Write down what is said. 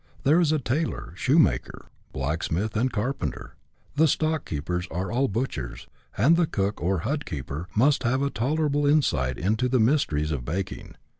There is a tailor, shoemaker, blacksmith, and carpenter; the stock keepers are all butchers, and the cook or hut keeper must also have a tolerable insight into the mysteries of baking.